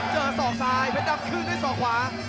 เจอส่อซ้ายเพชรจับครึ่งด้วยส่อขวา